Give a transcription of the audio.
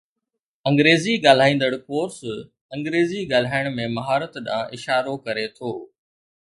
انگريزي ڳالهائيندڙ ڪورس انگريزي ڳالهائڻ ۾ مهارت ڏانهن اشارو ڪري ٿو